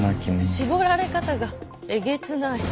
絞られ方がえげつない。